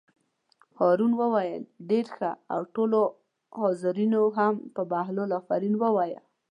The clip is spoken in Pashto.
هارون وویل: ډېر ښه او ټولو حاضرینو هم په بهلول آفرین ووایه.